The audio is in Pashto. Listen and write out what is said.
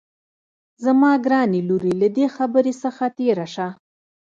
زما ګرانې لورې له دې خبرې څخه تېره شه